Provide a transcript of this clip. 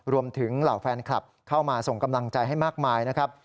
เหล่าแฟนคลับเข้ามาส่งกำลังใจให้มากมายนะครับ